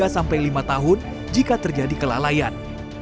tiga sampai lima tahun jika terjadi kelalaian